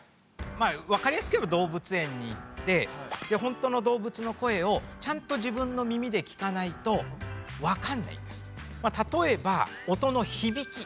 まあわかりやすく言えば動物園に行って本当の動物の声をちゃんと自分の耳で聞かないとわかんないんです。